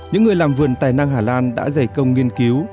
những người làm vườn tài năng hà lan đã dày công nghiên cứu